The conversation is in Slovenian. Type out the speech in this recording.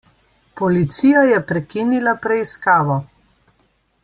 Policija je prekinila preiskavo.